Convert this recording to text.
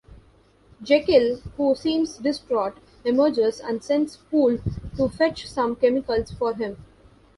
Jekyll, who seems distraught, emerges and sends Poole to fetch some chemicals for him.